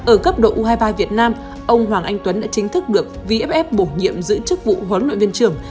ở cấp độ u hai mươi ba việt nam ông hoàng anh tuấn đã chính thức được vff bổ nhiệm giữ chức vụ huấn luyện viên trưởng